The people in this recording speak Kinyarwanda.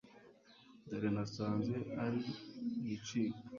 dore nasanze ari ibicika